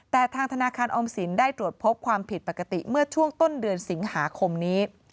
แต่ทางธนาคารออมสินได้ตรวจพบความผิดปกติเมื่อช่วงต้นเดือนสิงหาคมนี้